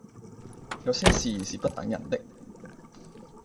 有些事是不等人的